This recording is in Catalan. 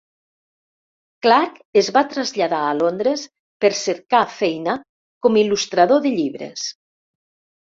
Clarke es va traslladar a Londres per cercar feina com il·lustrador de llibres.